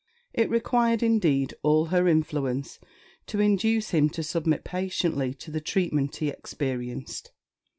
It required, indeed, all her influence to induce him to submit patiently to the treatment he experienced.